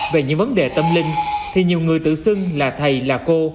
về những vấn đề tâm linh thì nhiều người tự xưng là thầy là cô